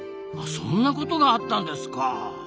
そんなことがあったんですか。